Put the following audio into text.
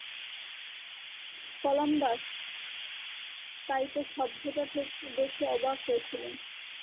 Columbus Taino সভ্যতা দেখে অবাক হয়েছিলেন।